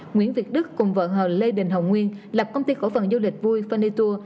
nguyễn việt đức cùng vợ hồ lê đình hồng nguyên lập công ty khổ phần du lịch vui fundy tour